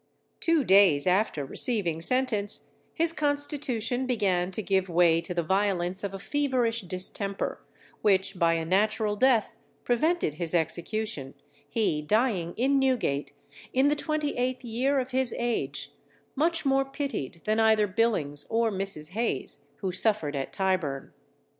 Two days after receiving sentence, his constitution began to give way to the violence of a feverish distemper, which by a natural death prevented his execution, he dying in Newgate, in the twenty eighth year of his age, much more pitied than either Billings or Mrs. Hayes who suffered at Tyburn.